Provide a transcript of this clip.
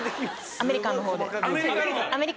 アメリカの方？